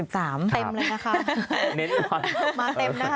เต็มเลยนะคะ